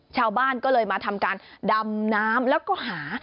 ชาวบ้านก็เลยมาทำการดำน้ำแล้วก็หา